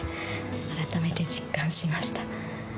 改めて実感しました。